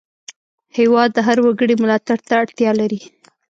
هېواد د هر وګړي ملاتړ ته اړتیا لري.